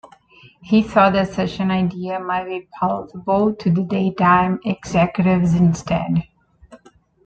He thought that such an idea might be palatable to the Daytime executives instead.